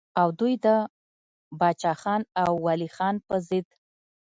او دوي د باچا خان او ولي خان پۀ ضد